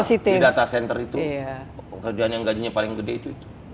karena yang paling mahal di data center itu kerjaan yang gajinya paling gede itu itu